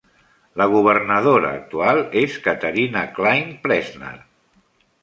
La governadora actual és Caterina Klein Plesnar.